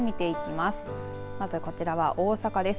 まずこちらは大阪です。